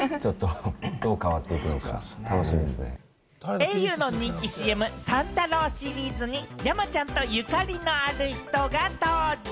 ａｕの人気ＣＭ・三太郎シリーズに山ちゃんとゆかりのある人が登場！